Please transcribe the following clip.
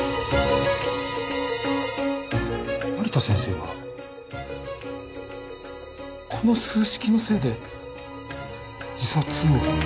成田先生はこの数式のせいで自殺を？